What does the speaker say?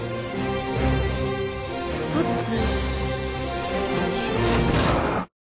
どっち？